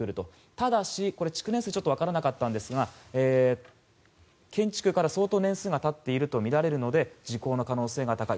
ただし、築年数は分からなかったんですが建築から相当年数が経っているとみられるので時効の可能性が高い。